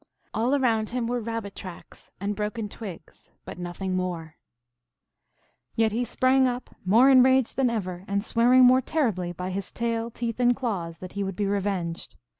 All around him were rabbits tracks and broken twigs, but nothing more. 218 THE ALGONQUIN LEGENDS. Yet he sprang up, more enraged than ever, and swearing more terribly by his tail, teeth, and claws that he would be revenged.